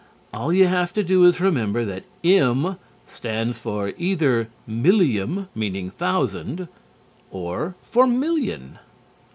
All you have to do is remember that "M" stands for either "millium," meaning thousand, or for "million."